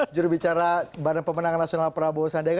jurubicara badan pemenang nasional prabowo sandiaga